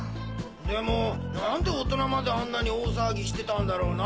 でもなんで大人まであんなに大騒ぎしてたんだろな？